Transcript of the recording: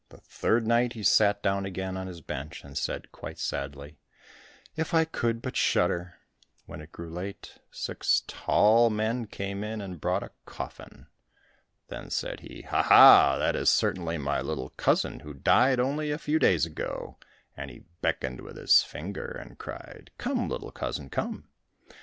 The third night he sat down again on his bench and said quite sadly, "If I could but shudder." When it grew late, six tall men came in and brought a coffin. Then said he, "Ha, ha, that is certainly my little cousin, who died only a few days ago," and he beckoned with his finger, and cried "Come, little cousin, come."